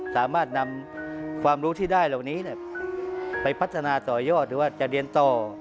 สามารถนำความรู้ที่ได้เหล่านี้ไปพัฒนาต่อยอดหรือว่าจะเรียนต่อ